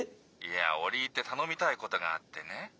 ☎いや折り入って頼みたいことがあってね。